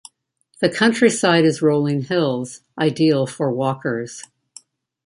The countryside is rolling hills ideal for walkers.